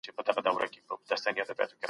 دوی د خپلو حقونو غوښتنه کوي.